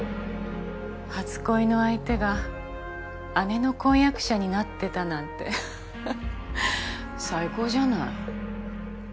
初恋の相手が姉の婚約者になってたなんて最高じゃない。